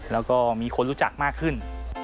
แล้วก็มีคนรู้จักมากขึ้น